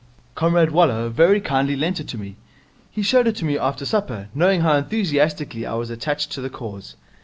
'Comrade Waller very kindly lent it to me. He showed it to me after supper, knowing how enthusiastically I was attached to the Cause.